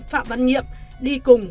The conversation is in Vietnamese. phạm văn nhiệm đi cùng